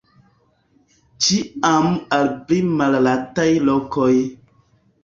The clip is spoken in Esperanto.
Ĉiam al pli malaltaj lokoj.